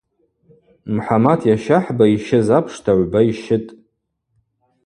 Мхӏамат йащахӏба йщыз апшта гӏвба йщытӏ.